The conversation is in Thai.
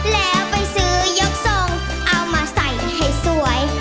แล้วไปซื้อยกทรงเอามาใส่ให้สวย